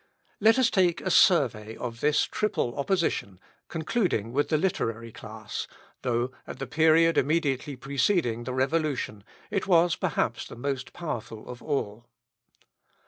Let us take a survey of this triple opposition, concluding with the literary class, though, at the period immediately preceding the revolution, it was perhaps the most powerful of all.